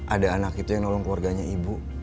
ada anak itu yang nolong keluarganya ibu